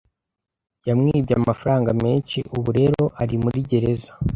Yamwibye amafaranga menshi, ubu rero ari muri gereza.